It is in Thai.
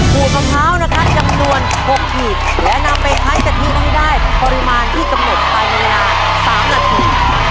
ผู้คำเท้านะครับจำนวนหกผีกและนำไปใช้กะทิให้ได้ปริมาณที่กำหนดไปในเวลาสามนาที